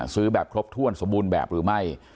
ซื้อแบบครบถ้วนสมบูรณ์แบบหรือไม่